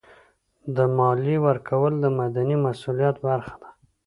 د مالیې ورکول د مدني مسؤلیت برخه ده.